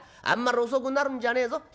あんまり遅くなるんじゃねえぞ。